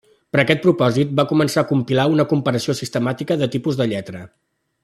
Per a aquest propòsit va començar a compilar una comparació sistemàtica de tipus de lletra.